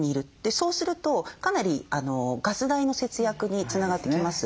そうするとかなりガス代の節約につながってきます。